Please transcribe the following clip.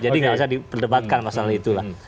jadi nggak usah diperdebatkan pasal itulah